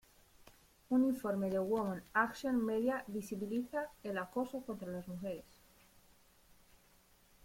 Un informe de Women, Action & Media visibiliza el acoso contra las mujeres